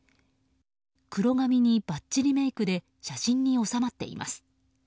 黒髪にバッチリメイクで写真に収まっています。